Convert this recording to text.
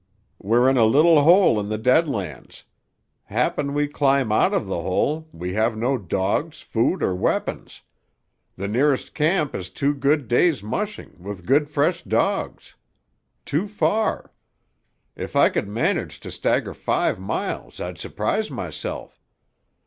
We're in a little hole in the Dead Lands. Happen we climb out of the hole, we have no dogs, food, or weapons. The nearest camp is two good days' mushing, with good fresh dogs. Too far. If I could manage to stagger five miles I'd surprise myself.